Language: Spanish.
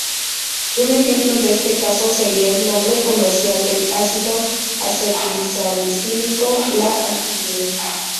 Un ejemplo de este caso sería el nombre comercial del ácido acetilsalicílico, la aspirina.